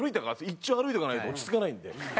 一度歩いておかないと落ち着かないので。